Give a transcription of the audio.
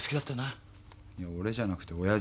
いや俺じゃなくて親父。